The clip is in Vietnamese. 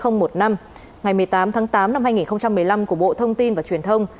ngày một mươi tám tháng tám năm hai nghìn một mươi năm của bộ thông tin và truyền thông